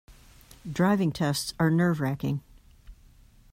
Driving tests are nerve-racking.